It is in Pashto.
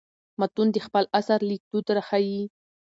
متون د خپل عصر لیکدود راښيي.